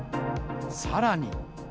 さらに。